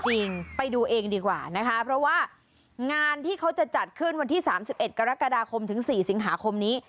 จริงไปดูเองดีกว่านะคะเพราะว่างานที่เขาจะจัดขึ้นวันที่๓๑กรกฎาคมถึง๔สิงหาคมนี้